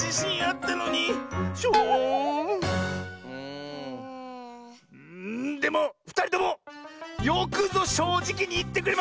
んでもふたりともよくぞしょうじきにいってくれました！